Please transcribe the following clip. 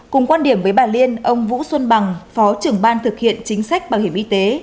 cùng quan điểm với bà liên ông vũ xuân bằng phó trưởng ban thực hiện chính sách bảo hiểm y tế